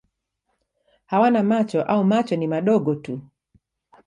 Hawana macho au macho ni madogo tu.